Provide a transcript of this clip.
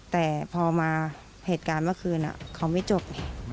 แต่พอมาเหตุการณ์เมื่อคืนเขาไม่จบ